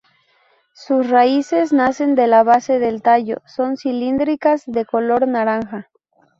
Sus raíces nacen de la base del tallo, son cilíndricas, de color naranja.